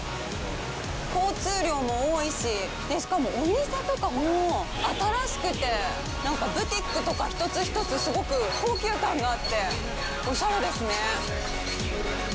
交通量も多いし、しかも、お店とかも新しくて、ブティックとか、一つ一つ、すごく高級感があって、おしゃれですね。